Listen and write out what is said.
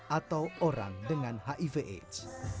atau orang dengan hiv aids